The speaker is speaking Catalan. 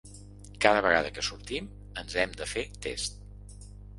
Cada vegada que sortim ens hem de fer tests.